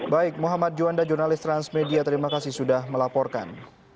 baik muhammad juanda jurnalis transmedia terima kasih sudah melaporkan